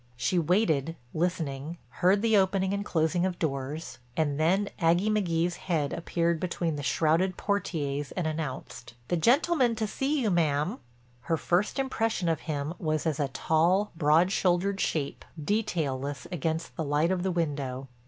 She waited listening, heard the opening and closing of doors and then Aggie McGee's head appeared between the shrouded portières and announced, "The gentleman to see you, ma'am." Her first impression of him was as a tall, broad shouldered shape, detailless against the light of the window.